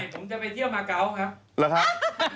ผมจะไปเที่ยวมาเกาะครับ